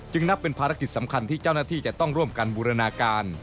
นับเป็นภารกิจสำคัญที่เจ้าหน้าที่จะต้องร่วมกันบูรณาการ